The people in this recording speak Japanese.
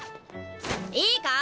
いいか？